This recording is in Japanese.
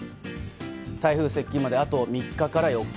台風接近まであと３日から４日。